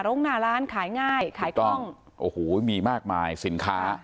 หน้าร้านขายง่ายขายกล้องโอ้โหมีมากมายสินค้า